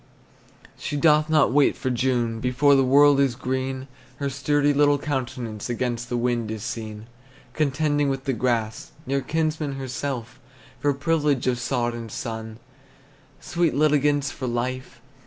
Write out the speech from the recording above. She doth not wait for June; Before the world is green Her sturdy little countenance Against the wind is seen, Contending with the grass, Near kinsman to herself, For privilege of sod and sun, Sweet litigants for life.